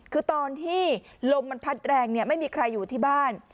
คือตอนที่ลมมันพัดแรงไม่มีใครอยู่ที่บ้าน